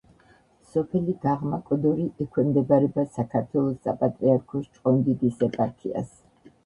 სოფელი გაღმა კოდორი ექვემდებარება საქართველოს საპატრიარქოს ჭყონდიდის ეპარქიას.